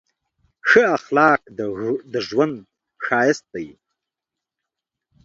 ښه اخلاق د ژوند ښایست دی.